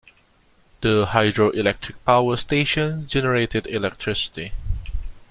The hydroelectric power station generated electricity.